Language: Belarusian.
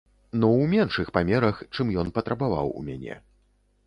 Ну ў меншых памерах, чым ён патрабаваў у мяне.